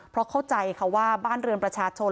เพราะเข้าใจค่ะว่าบ้านเรือนประชาชน